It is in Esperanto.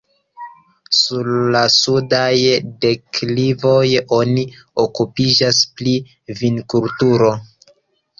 Sur la sudaj deklivoj oni okupiĝas pri vinkulturo.